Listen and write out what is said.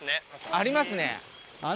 ありますね。